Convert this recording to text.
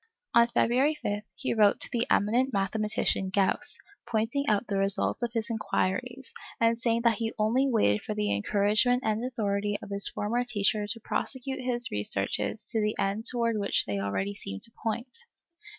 On February 5, he wrote to the eminent mathematician Gauss, pointing out the results of his inquiries, and saying that he only waited for the encouragement and authority of his former teacher to prosecute his researches to the end towards which they already seemed to point.